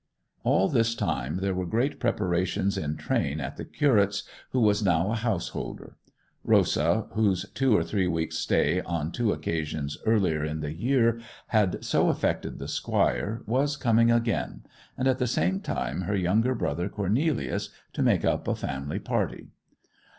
All this time there were great preparations in train at the curate's, who was now a householder. Rosa, whose two or three weeks' stay on two occasions earlier in the year had so affected the squire, was coming again, and at the same time her younger brother Cornelius, to make up a family party.